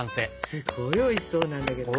すごいおいしそうなんだけど。